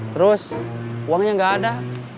terus uangnya nggak ada